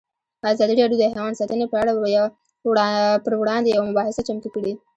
ازادي راډیو د حیوان ساتنه پر وړاندې یوه مباحثه چمتو کړې.